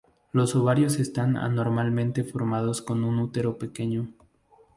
Los ovarios están anormalmente formados con un útero pequeño.